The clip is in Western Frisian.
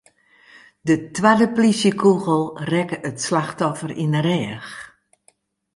De twadde polysjekûgel rekke it slachtoffer yn 'e rêch.